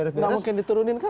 tidak mungkin diturunin kan